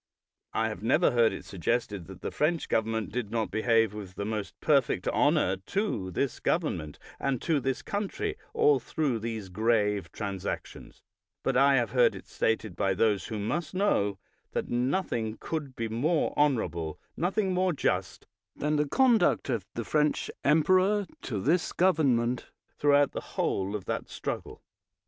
I have never heard it suggested that the French govern ment did not behave with the most perfect honor to this government and to this country all through these grave transactions; but I have heard it stated by those who must know, that nothing could be more honorable, nothing more just, than the conduct of the French emperor to this government throughout the whole of that struggle.